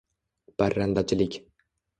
- parrandachilik.